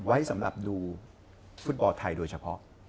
ไว้สำหรับดูฟุตบอลไทยโดยเฉพาะ